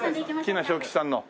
喜納昌吉さんの。